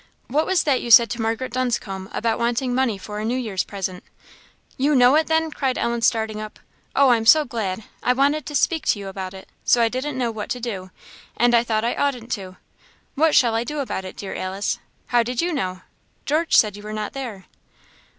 What was that you said to Margaret Dunscombe about wanting money for a New Year's present?" "You know it, then!" cried Ellen, starting up. "Oh, I'm so glad! I wanted to speak to you about it, so I didn't know what to do, and I thought I oughtn't to. What shall I do about it, dear Alice? How did you know? George said you were not there."